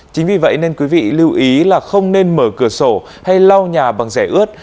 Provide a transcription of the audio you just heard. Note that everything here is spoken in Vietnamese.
chính vì vậy nên quý vị lưu ý là không nên mở cửa sổ hay lau nhà bằng rẻ ướt